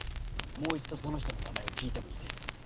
もう一度その人の名前を聞いてもいいですか？